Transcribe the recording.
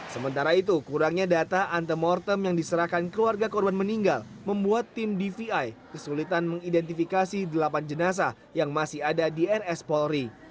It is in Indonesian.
sementara itu kurangnya data antemortem yang diserahkan keluarga korban meninggal membuat tim dvi kesulitan mengidentifikasi delapan jenazah yang masih ada di rs polri